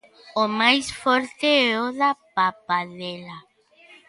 O máis forte é o da papadela.